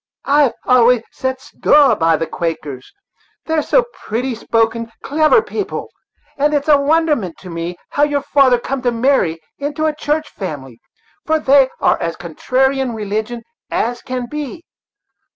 I've always set store by the Quakers, they are so pretty spoken, clever people, and it's a wonderment to me how your father come to marry into a church family; for they are as contrary in religion as can be.